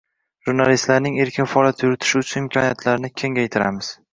jurnalistlarning erkin faoliyat yuritishi uchun imkoniyatlarni kengaytiramiz.